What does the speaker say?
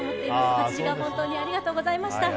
８時間、本当にありがとうございました。